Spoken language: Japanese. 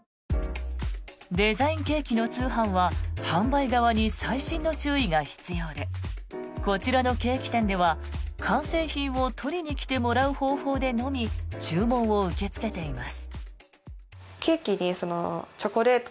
デザインケーキの通販は販売側に細心の注意が必要でこちらのケーキ店では、完成品を取りに来てもらう方法でのみ注文を受け付けています。